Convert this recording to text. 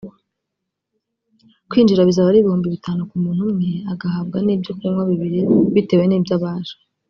Kwinjira bizaba ari ibihumbi bitanu ku muntu umwe agahabwa n’ibyo kunywa bibiri bitewe n'ibyo abasha